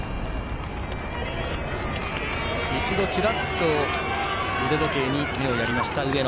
一度、チラッと腕時計に目をやりました、上野。